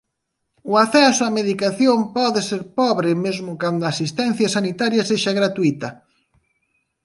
O acceso á medicación pode ser pobre mesmo cando a asistencia sanitaria sexa gratuíta.